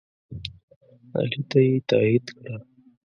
علي ته یې تایید کړه.